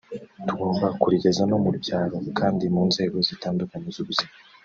tugomba kurigeza no mu byaro kandi mu nzego zitandukanye z’ubuzima